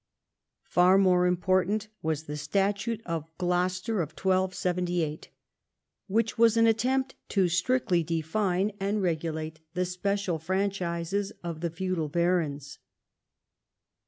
Far more important was the Statute of Gloucester of 1278, which was an attempt to strictly define and regulate the special franchises of the feudal barons.